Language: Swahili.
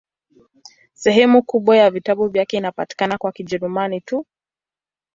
Sehemu kubwa ya vitabu vyake inapatikana kwa Kijerumani tu.